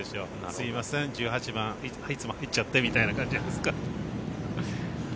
すいません１８番いつも入っちゃってみたいな感じじゃないですか。